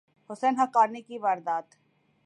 حسین حقانی کی واردات